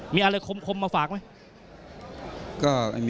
มีอะไรคมมาฝากไหม